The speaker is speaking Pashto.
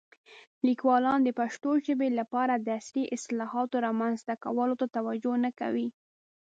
لیکوالان د پښتو ژبې لپاره د عصري اصطلاحاتو رامنځته کولو ته توجه نه کوي.